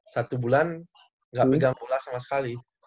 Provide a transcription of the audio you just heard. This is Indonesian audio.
satu bulan nggak pegang pula sama sekali